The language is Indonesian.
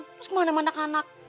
terus gimana mandak anak